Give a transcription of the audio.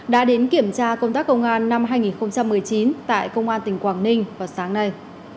đã đến kiểm tra công tác công an năm hai nghìn một mươi chín tại công an tỉnh quảng ninh vào sáng nay